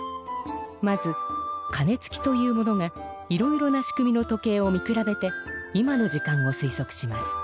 まず「かねつき」という者がいろいろな仕組みの時計を見くらべて今の時間をすいそくします。